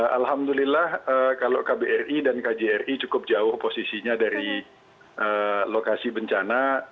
alhamdulillah kalau kbri dan kjri cukup jauh posisinya dari lokasi bencana